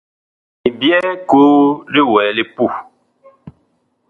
Mi byɛɛ koo li wɛɛ li puh.